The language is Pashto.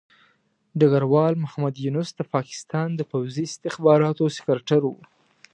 ډګروال محمد یونس د پاکستان د پوځي استخباراتو سکرتر وو.